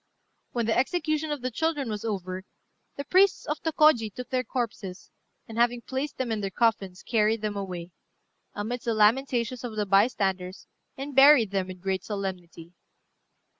When the execution of the children was over, the priests of Tôkôji took their corpses, and, having placed them in their coffins, carried them away, amidst the lamentations of the bystanders, and buried them with great solemnity.